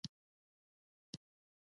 دا فکري ګډوډي ده.